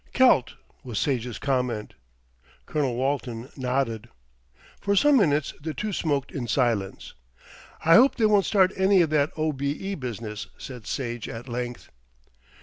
"Celt," was Sage's comment. Colonel Walton nodded. For some minutes the two smoked in silence. "I hope they won't start any of that O.B.E. business," said Sage at length.